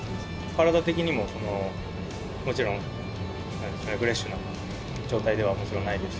体的にも、もちろんフレッシュな状態ではないです。